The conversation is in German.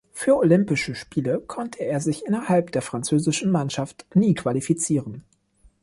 Für Olympische Spiele konnte er sich aber innerhalb der französischen Mannschaft nie qualifizieren.